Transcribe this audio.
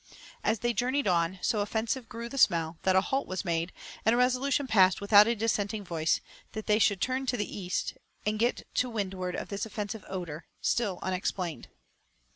As they journeyed on, so offensive grew the smell that a halt was made, and a resolution passed without a dissenting voice, that they should turn to the east and get to windward of this offensive odour, still unexplained.